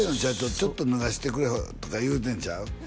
ちょっと脱がしてくれとか言うてるんちゃう？